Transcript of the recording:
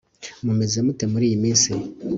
Mumeze mute muriyi minsi